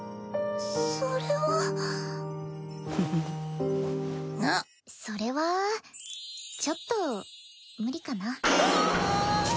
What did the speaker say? それはフフッそれはちょっと無理かなはあ！